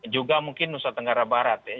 juga mungkin nusa tenggara barat ya